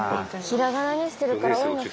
ひらがなにしてるから多いのか。